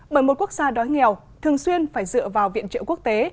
bởi một quốc gia đói nghèo thường xuyên phải dựa vào viện trợ quốc tế